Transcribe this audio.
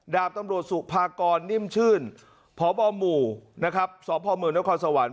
ดาบตำรวจสุภากรนิ่มชื่นพบหมู่นะครับสพเมืองนครสวรรค์